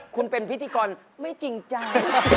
คุณเป็นพิธีกรไม่จริงใจ